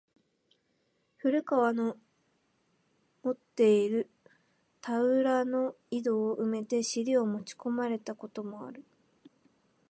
古川の持つて居る田圃の井戸を埋めて尻を持ち込まれた事もある。